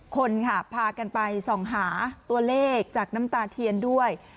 คนค่ะพากันไปส่องหาตัวเลขจากน้ำตาเทียนด้วย